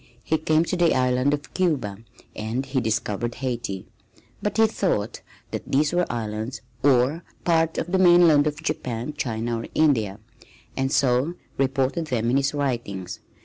He came to the island of Cuba and he discovered Haiti, but he thought that these were islands or part of the mainland of Japan, China or India, and so reported them in his writings.